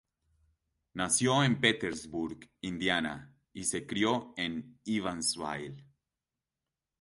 Nació en Petersburg, Indiana, y se crio en Evansville.